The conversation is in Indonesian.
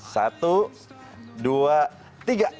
satu dua tiga